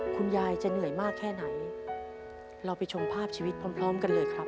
คุณยายจะเหนื่อยมากแค่ไหนเราไปชมภาพชีวิตพร้อมพร้อมกันเลยครับ